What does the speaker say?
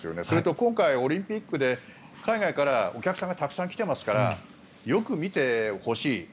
それと今回オリンピックで海外からたくさんお客さんが来ていますからよく見てほしい。